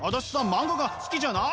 漫画が好きじゃない！